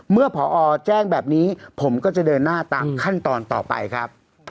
ผอแจ้งแบบนี้ผมก็จะเดินหน้าตามขั้นตอนต่อไปครับ